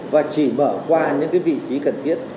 và chỉ mở qua những vị trí cần thiết